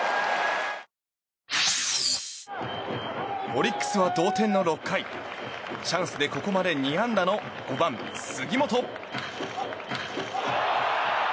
オリックスは同点の６回チャンスでここまで２安打の５番、杉本。